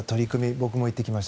僕も行ってきました。